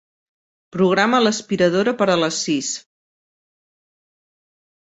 Programa l'aspiradora per a les sis.